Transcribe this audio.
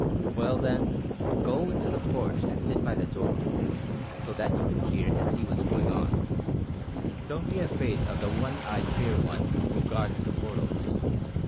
"Well, then, go into the porch and sit by the door, so that you can hear and see what's goin' on. Don't be afraid of the one eyed fair one who guards the portals.